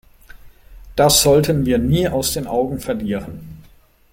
Das sollten wir nie aus den Augen verlieren.